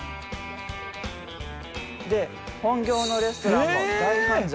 で本業のレストランも大繁盛。